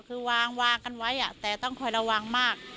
คือวางกันไว้แต่ต้องคอยระวังมาก